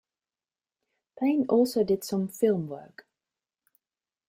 Payn also did some film work.